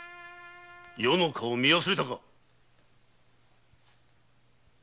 余の顔を見忘れたか！